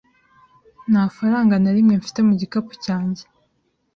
Nta faranga na rimwe mfite mu gikapu cyanjye.